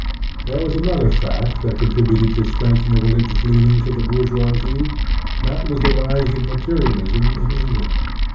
There was another fact that contributed to strengthen the religious leanings of the bour geoisie. That was the rise of materialism in England.